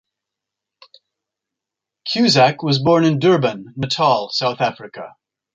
Cusack was born in Durban, Natal, South Africa.